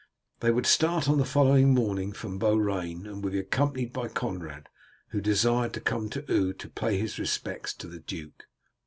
They would start on the following morning from Beaurain, and would be accompanied by Conrad, who desired to come to Eu to pay his respects to the duke.